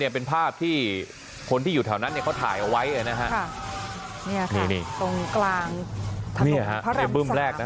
เป็นภาพที่คนที่อยู่แถวนั้นก็ถ่ายเอาไว้